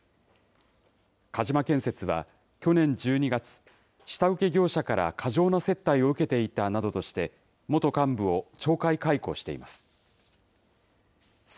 鹿島建設は去年１２月、下請け業者から過剰な接待を受けていたなどとして、元幹部を懲戒解雇しています。